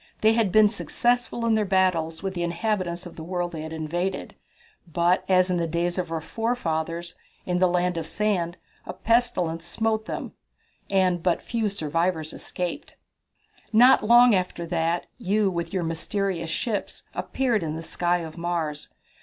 They had been successful in their battles with the inhabitants of the world they had invaded, but as in the days of our forefathers, in the Land of Sand, a pestilence smote them, and but few survivors escaped." "Not long after that, you, with your mysterious ships, appeared in the sky of Mars.